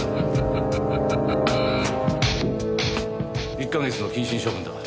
１か月の謹慎処分だ。